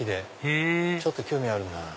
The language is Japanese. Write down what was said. へぇちょっと興味あるなぁ。